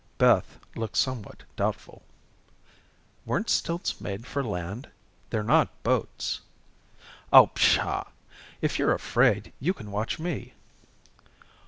Beth looked somewhat doubtful. "Weren't stilts made for land? They're not boats." "Oh, pshaw. If you're afraid, you can watch me."